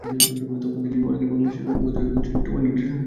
তখন দেখি, অনেক বাংলাদেশি শ্রমিক অবৈধ হয়ে গেছেন, অনেকে ডিটেনশন ক্যাম্পে আটক।